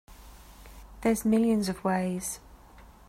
There's millions of ways.